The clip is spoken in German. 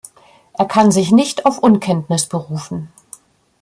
Er kann sich nicht auf Unkenntnis berufen.